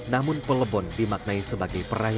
namun pelebon dimaknai sebagai peraih